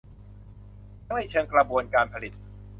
ทั้งในเชิงกระบวนการผลิต